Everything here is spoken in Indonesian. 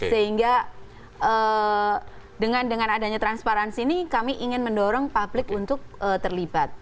sehingga dengan adanya transparansi ini kami ingin mendorong publik untuk terlibat